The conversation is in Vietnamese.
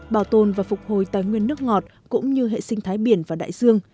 bảo tồn và phục hồi tài nguyên nước ngọt cũng như hệ sinh thái biển và đại dương